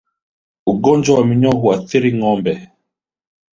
Ugonjwa wa minyoo huathiri ngombe